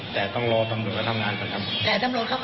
แต่ต้องรอตำรวจมาทำงานก่อนครับ